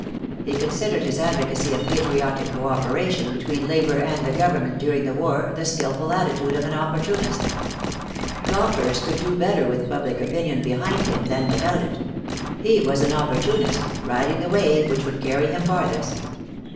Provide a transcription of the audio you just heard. He considered his advocacy of patriotic cooperation between labor and the Government during the war the skillful attitude of an opportunist. Gompers could do better with public opinion behind him than without it. He was an opportunist, riding the wave which would carry him farthest.